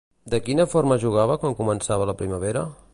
De quina forma jugava quan començava la primavera?